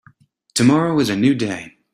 Tomorrow is a new day.